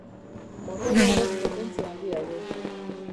Motor horrek potentzia handia du.